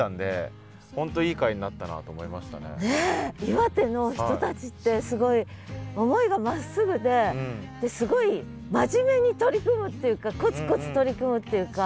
岩手の人たちってすごい思いがまっすぐですごい真面目に取り組むっていうかコツコツ取り組むっていうか。